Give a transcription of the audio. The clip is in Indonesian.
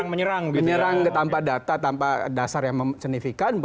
menyerang tanpa data tanpa dasar yang signifikan